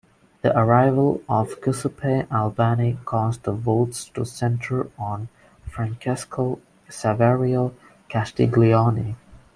The arrival of Giuseppe Albani caused the votes to center on Francesco Saverio Castiglioni.